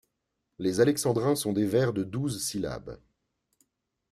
Les alexandrins sont des vers de douze syllabes.